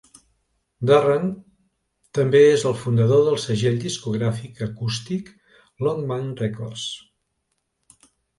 Durrant també és el fundador del segell discogràfic acústic LongMan Records.